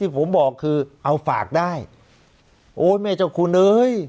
ผมบอกคือเอาฝากได้โอ้ยแม่เจ้าคุณเอ้ย